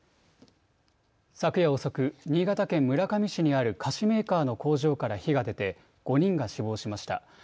昨夜遅く、新潟県村上市にある菓子メーカーの工場から火が出て５人が死亡しました。